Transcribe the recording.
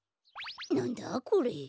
なんだこれ？